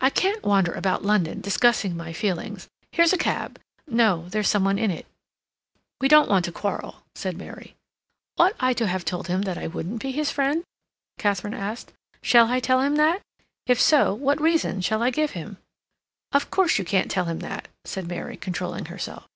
"I can't wander about London discussing my feelings—Here's a cab—no, there's some one in it." "We don't want to quarrel," said Mary. "Ought I to have told him that I wouldn't be his friend?" Katharine asked. "Shall I tell him that? If so, what reason shall I give him?" "Of course you can't tell him that," said Mary, controlling herself.